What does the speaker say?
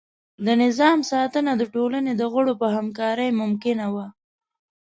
د نظام ساتنه د ټولنې د غړو په همکارۍ ممکنه وه.